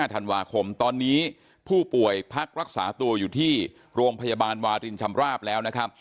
ธันวาคมตอนนี้ผู้ป่วยพักรักษาตัวอยู่ที่โรงพยาบาลวารินชำราบแล้วนะครับ